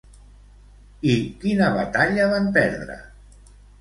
I quina batalla van perdre?